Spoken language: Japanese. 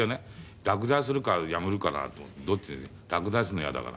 落第するか辞めるかならどっち落第するの嫌だから。